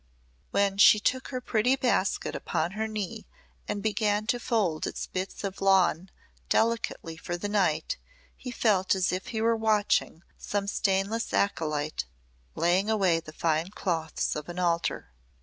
When she took her pretty basket upon her knee and began to fold its bits of lawn delicately for the night, he felt as if he were watching some stainless acolyte laying away the fine cloths of an altar.